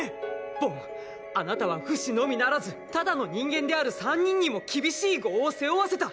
ボンあなたはフシのみならずただの人間である３人にも厳しい業を背負わせた！！